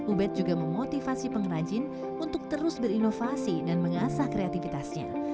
ubed juga memotivasi pengrajin untuk terus berinovasi dan mengasah kreativitasnya